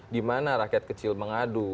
di mana rakyat kecil mengadu